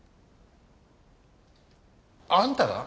あんたが？